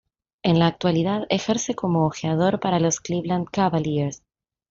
En la actualidad ejerce como ojeador para los Cleveland Cavaliers.